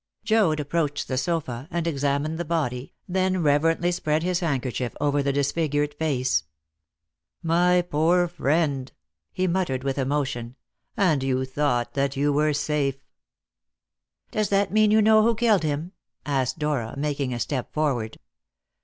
Joad approached the sofa and examined the body, then reverently spread his handkerchief over the disfigured face. "My poor friend!" he muttered with emotion. "And you thought that you were safe!" "Does that mean you know who killed him?" asked Dora, making a step forward.